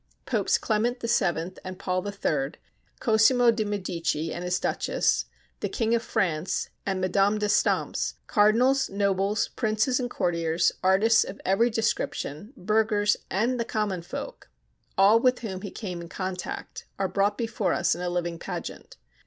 Popes Clement VII. and Paul III., Cosimo de' Medici and his Duchess, the King of France and Madame d' Estampes, cardinals, nobles, princes, and courtiers, artists of every description, burghers and the common folk, all with whom he came in contact, are brought before us in a living pageant.